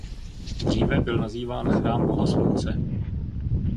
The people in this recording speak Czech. Dříve byl nazýván Chrám boha slunce.